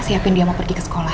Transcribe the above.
siapin dia mau pergi ke sekolah